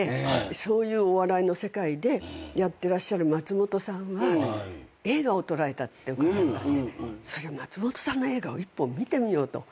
そういうお笑いの世界でやってらっしゃる松本さんは映画を撮られたって伺ったんで松本さんの映画を１本見てみようと。